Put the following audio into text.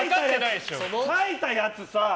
書いたやつさ！